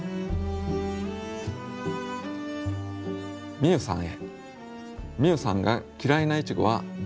みゆさんへ。